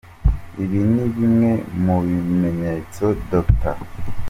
Ibi ni bimwe mu bimenyetso Dr.